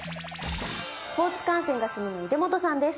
スポーツ観戦が趣味の出本さんです。